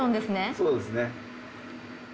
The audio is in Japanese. そうですね。